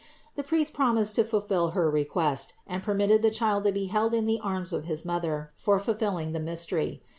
The priest promised to fulfill her request, and permitted the Child to be held in the arms of his Mother for fulfilling the mystery.